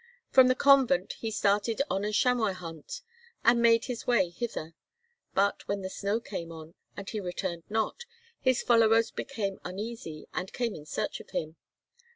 From the convent he started on a chamois hunt, and made his way hither; but, when the snow came on, and he returned not, his followers became uneasy, and came in search of him."